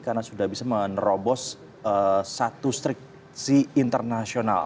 karena sudah bisa menerobos satu striksi internasional